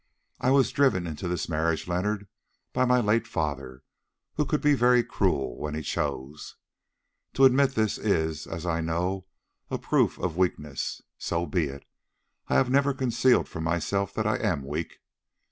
"I was driven into this marriage, Leonard, by my late father, who could be very cruel when he chose. To admit this is, as I know, a proof of weakness. So be it, I have never concealed from myself that I am weak.